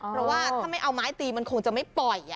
เพราะว่าถ้าไม่เอาไม้ตีมันคงจะไม่ปล่อย